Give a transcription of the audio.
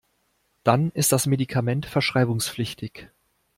Dann ist das Medikament verschreibungspflichtig.